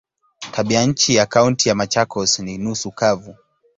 Tabianchi ya Kaunti ya Machakos ni nusu kavu.